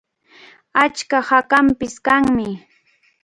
Achka hakanpish kanmi.